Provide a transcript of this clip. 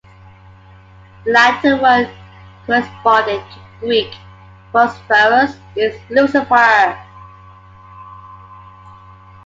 The Latin word corresponding to Greek "Phosphorus" is "Lucifer".